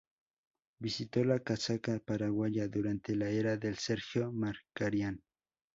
Vistió la casaca paraguaya durante la era de Sergio Markarián.